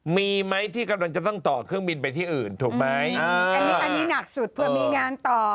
มีไหมที่กำลังจะต้องต่อเครื่องบินไปที่อื่นถูกไหมอันนี้อันนี้หนักสุดเผื่อมีงานต่อ